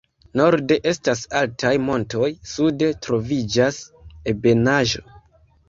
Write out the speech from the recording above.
Norde estas altaj montoj, sude troviĝas ebenaĵo.